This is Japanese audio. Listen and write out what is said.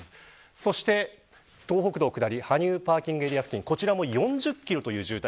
そして、東北道下り羽生パーキングエリア付近こちらも４０キロという渋滞。